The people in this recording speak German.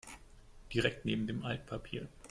Direkt neben dem Altpapier.